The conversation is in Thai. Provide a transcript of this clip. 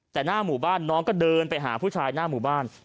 แต่หน้าหมู่บ้านน้องก็เดินไปหาผู้ชายหน้าหมู่บ้าน